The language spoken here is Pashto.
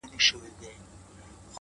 o یو څوک دي ووایي چي کوم هوس ته ودرېدم ؛